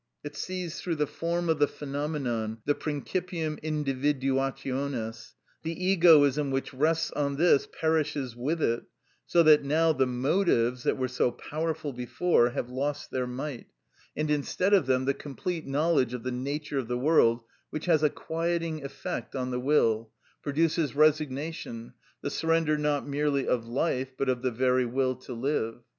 It sees through the form of the phenomenon, the principium individuationis. The egoism which rests on this perishes with it, so that now the motives that were so powerful before have lost their might, and instead of them the complete knowledge of the nature of the world, which has a quieting effect on the will, produces resignation, the surrender not merely of life, but of the very will to live.